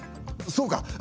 そうか！